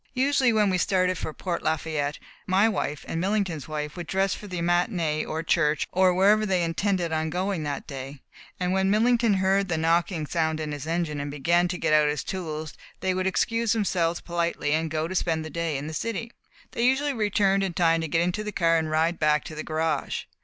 Usually when we started for Port Lafayette, my wife and Millington's wife would dress for the matinée or church, or wherever they intended going that day, and when Millington heard the knocking sound in his engine and began to get out his tools, they would excuse themselves politely and go and spend the day in the city. They usually returned in time to get into the car and ride back to the garage.